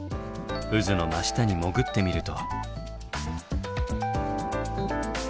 渦の真下に潜ってみると。